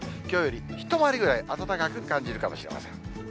きょうより一回りぐらい暖かく感じるかもしれません。